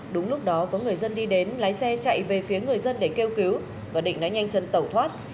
đúng lúc đó có người dân đi đến lái xe chạy về phía người dân để kêu cứu và định đã nhanh chân tẩu thoát